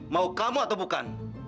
mau kamu atau bukan